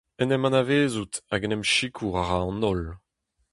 En em anavezout hag en em sikour a ra an holl.